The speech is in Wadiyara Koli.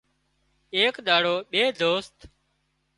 ايڪ ۮاڙو ٻي دوست